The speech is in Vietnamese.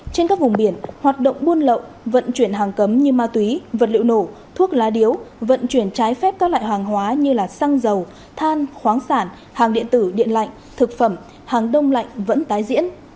trên các vùng biển hoạt động buôn lậu vận chuyển hàng cấm như ma túy vật liệu nổ thuốc lá điếu vận chuyển trái phép các loại hàng hóa như xăng dầu than khoáng sản hàng điện tử điện lạnh thực phẩm hàng đông lạnh vẫn tái diễn